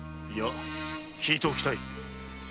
いや聞いておきたい。